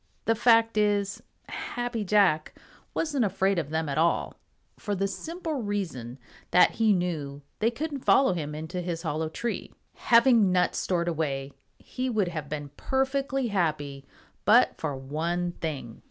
The fact is, Happy Jack wasn't afraid of them at all, for the simple reason that he knew they couldn't follow him into his hollow tree. Having nuts stored away, he would have been perfectly happy but for one thing.